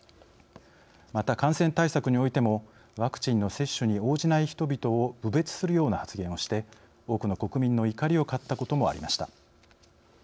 また、感染対策においてもワクチンの接種に応じない人々を侮蔑するような発言をして多くの国民の怒りを買ったこともありました。